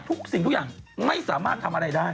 ทุกสิ่งทุกอย่างไม่สามารถทำอะไรได้